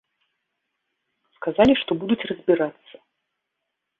Сказалі, што будуць разбірацца.